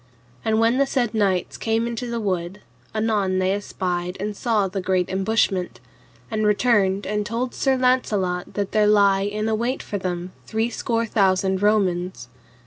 And when the said knights came into the wood, anon they espied and saw the great embushment, and returned and told Sir Launcelot that there lay in await for them three score thousand Romans.